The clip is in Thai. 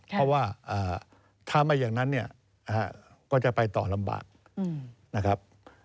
เพราะว่าทำอะไรอย่างนั้นก็จะไปต่อลำบากนะครับ